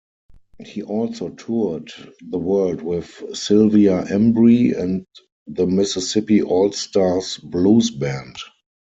He also toured the world with Sylvia Embry and the Mississippi All-Stars Blues Band.